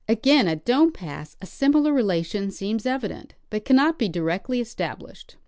Again at Dome pass a similar relation seems evident, but cannot be directly established.